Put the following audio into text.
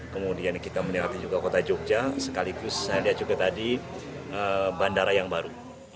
kemudian kita menderati juga kota jogja sekaligus saya lihat juga tadi bandara yang baru